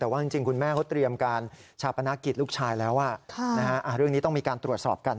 แต่ว่าจริงคุณแม่เขาเตรียมการชาปนากิจลูกชายแล้ว